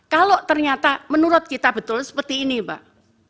kalau ternyata menurut kita betul seperti ini pak